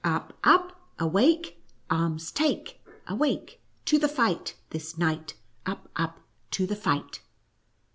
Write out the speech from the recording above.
" Up, up, awake — arms take — awake — to the fight — this night — up, up — to the n>kt."